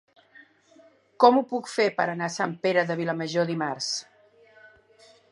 Com ho puc fer per anar a Sant Pere de Vilamajor dimarts?